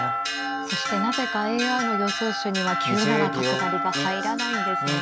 そしてなぜかＡＩの予想手には９七角成が入らないんですね。